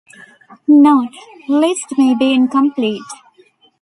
Note: list may be incomplete.